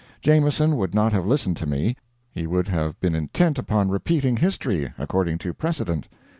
Jameson would not have listened to me he would have been intent upon repeating history, according to precedent.